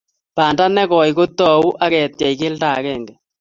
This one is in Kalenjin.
banda ne koi kotau ak ketiech keldo akenge